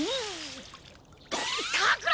さくら！